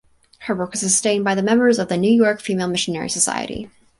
Her work was sustained by the members of the New York Female Missionary Society.